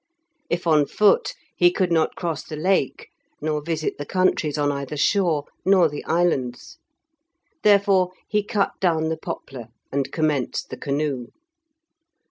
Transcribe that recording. If on foot he could not cross the Lake, nor visit the countries on either shore, nor the islands; therefore he cut down the poplar and commenced the canoe.